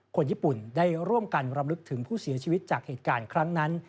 คนญี่ปุ่นได้ร่วมกันรำลึกถึงผู้เสียชีวิตจากเหตุการณ์ครั้งนั้น